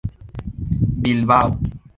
bilbao